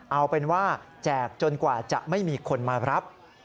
เอาเป็นว่าแจกจนกว่าจะไม่มีคนมารับ